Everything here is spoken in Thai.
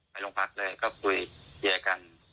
ไปโรงพักเลยก็คุยเคลียร์กัน